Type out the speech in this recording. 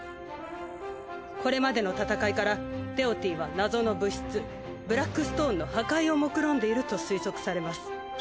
これまでの戦いからテオティは謎の物質ブラックストーンの破壊を目論んでいると推測されます。